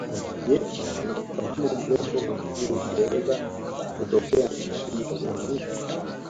Je unamfahamu mrembo mashuhuri kuweza kutokea nchini Tanzania